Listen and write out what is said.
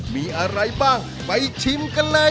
มีอะไรบ้างไปชิมกันเลย